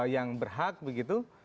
yang berhak begitu